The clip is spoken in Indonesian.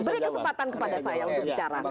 beri kesempatan kepada saya untuk bicara